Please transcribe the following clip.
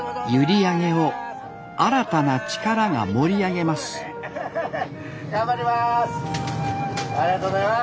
閖上を新たな力が盛り上げます頑張ります。